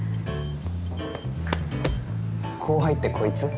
後輩ってこいつ？